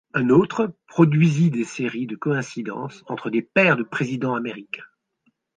Un autre produisit des séries de coïncidences entre des paires de présidents américains.